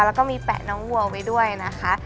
แล้วก็มีแปะน้องวัวไว้ด้วยนะคะ